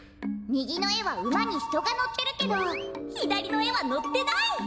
みぎのえはうまにひとがのってるけどひだりのえはのってない！